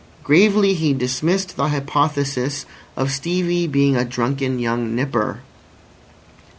Gravely he dismissed the hypothesis of Stevie being a drunken young nipper.